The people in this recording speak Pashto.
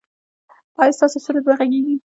ایا ستاسو سرود به غږیږي؟